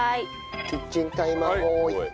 キッチンタイマーボーイ。